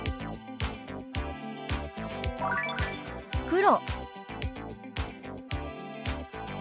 「黒」。